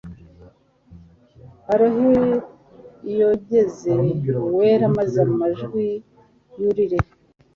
arohe yogeze uwera maze amajwi yurire